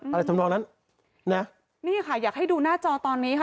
ทำนองนั้นนะนี่ค่ะอยากให้ดูหน้าจอตอนนี้ค่ะ